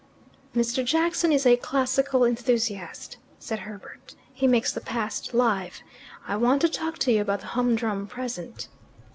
"Mr. Jackson is a classical enthusiast," said Herbert. "He makes the past live. I want to talk to you about the humdrum present."